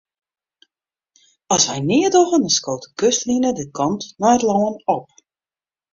As wy neat dogge, dan skoot de kustline de kant nei it lân op.